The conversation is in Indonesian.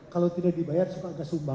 kalau tidak dibayar suka ke sumba